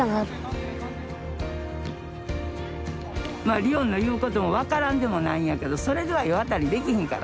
まあリオンの言うことも分からんでもないんやけどそれでは世渡りできひんからね